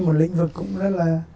một lĩnh vực cũng rất là